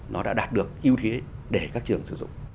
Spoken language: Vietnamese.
nó đã đạt được ưu thế để các trường sử dụng